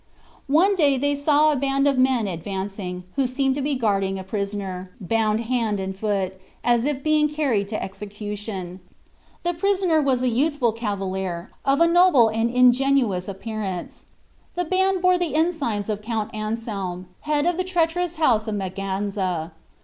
One day they saw a band of men advancing, who seemed to be guarding a prisoner, bound hand and foot, as if being carried to execution. The prisoner was a youthful cavalier, of a noble and ingenuous appearance. The band bore the ensigns of Count Anselm, head of the treacherous house of Maganza.